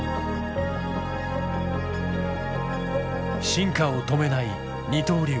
進化を止めない二刀流